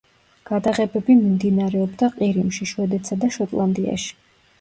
გადაღებები მიმდინარეობდა ყირიმში, შვედეთსა და შოტლანდიაში.